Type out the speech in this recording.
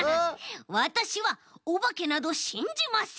わたしはおばけなどしんじません。